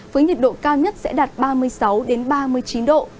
với nhiệt độ cao nhất sẽ đạt ba mươi sáu ba mươi chín độ